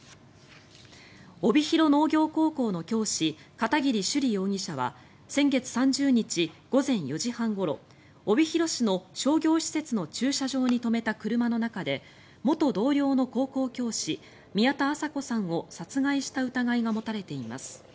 帯広農業高校の教師片桐朱璃容疑者は先月３０日午前４時半ごろ帯広市の商業施設の駐車場に止めた車の中で元同僚の高校教師宮田麻子さんを殺害した疑いが持たれています。